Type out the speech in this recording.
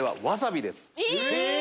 え